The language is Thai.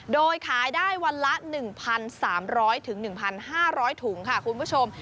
โดยขายได้วันละ๑๓๐๐๑๕๐๐ถุงค่ะคุณผู้ชม